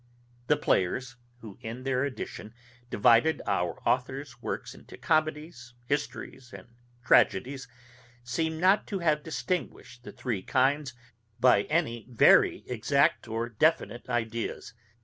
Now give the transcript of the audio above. The players, who in their edition divided our authour's works into comedies, histories, and tragedies, seem not to have distinguished the three kinds by any very exact or definite ideas.